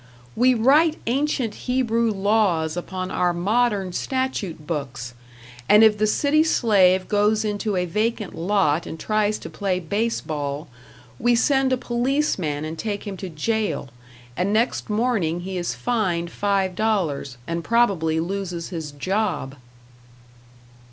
We write ancient Hebrew laws upon our modern statute books, and if the city slave goes into a vacant lot and tries to play base ball, we send a policeman and take him to jail, and next morning he is fined five dollars, and probably loses his job.